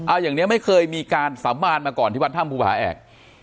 อ่าอย่างเนี้ยไม่เคยมีการสาบานมาก่อนที่วัดธรรมภูมิภาแอก